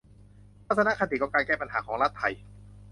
ทัศนคติของการแก้ปัญหาของรัฐไทย